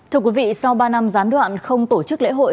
thưa quý vị sau ba năm gián đoạn không tổ chức lễ hội